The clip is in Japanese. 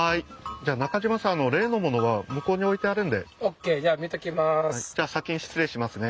じゃあ先に失礼しますね。